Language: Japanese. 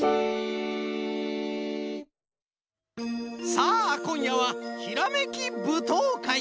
さあこんやはひらめきぶとうかい。